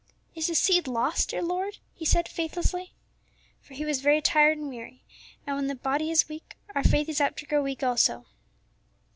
"Is the seed lost, dear Lord?" he said, faithlessly. For he was very tired and weary; and when the body is weak, our faith is apt to grow weak also.